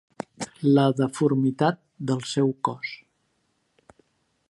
La deformitat del seu cos.